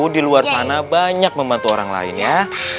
di luar sana banyak membantu orang lain ya